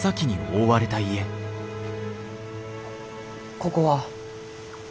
ここは？